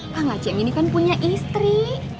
kang aceh ini kan punya istri